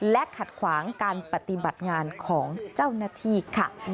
และขัดขวางการปฏิบัติงานของเจ้าหน้าที่ค่ะ